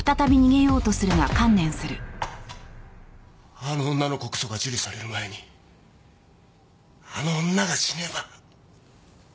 あの女の告訴が受理される前にあの女が死ねば！